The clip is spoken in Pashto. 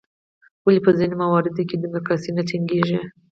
ولې په ځینو مواردو کې ډیموکراسي نه ټینګیږي؟